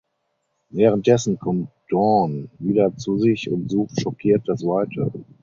Währenddessen kommt Dawn wieder zu sich und sucht schockiert das Weite.